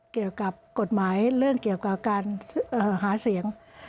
เกี่ยวกับกฎหมายเรื่องเกี่ยวกับการหาเสียง